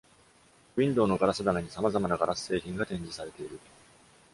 ウィンドウのガラス棚にさまざまな硝子製品が展示されている。